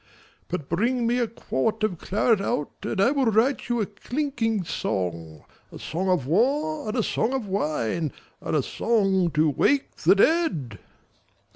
But bring me a quart of claret out, And I will write you a clinking song, A song of war and a song of wine And a song to wake the dead.